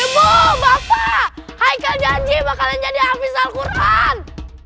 ibu bapak haikal janji bakalan jadi hafiz al quran